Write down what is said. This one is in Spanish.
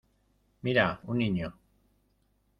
¡Mira! un niño.